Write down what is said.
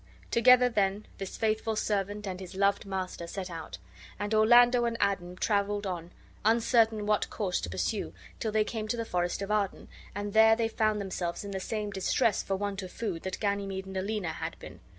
Together, then, this faithful servant and his loved master set out; and Orlando and Adam traveled on, uncertain what course to pursue, till they came to the forest of Arden, and there they found themselves in the same distress for want of food that Ganymede and Aliena had been.